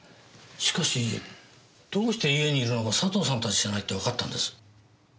しかしどうして家にいるのが佐藤さんたちじゃないってわかったんです？